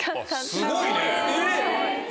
すごいね。